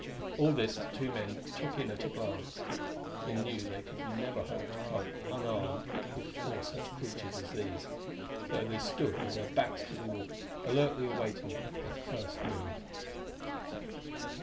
All this the two men took in at a glance. They knew they could never hope to cope, unarmed, with four such creatures as these, so they stood with their backs to the wall, alertly awaiting their first move.